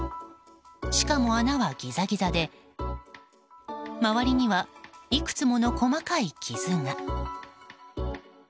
しかも、穴はギザギザで周りにはいくつもの細かい傷が。